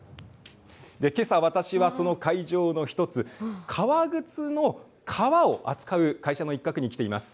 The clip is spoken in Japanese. けさ、私はその会場の１つ、革靴の革を扱う会社の一角に来ています。